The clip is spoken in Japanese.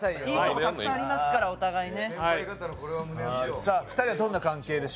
いいとこたくさんありますから、お互いね。